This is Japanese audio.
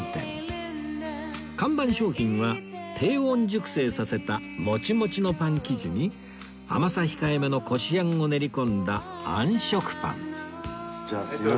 看板商品は低温熟成させたモチモチのパン生地に甘さ控えめのこしあんを練り込んだあん食パンじゃあすみませんが。